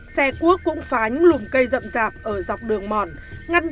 xe cuốc cũng phá những lùm cây rậm rạp ở dọc đường mòn ngăn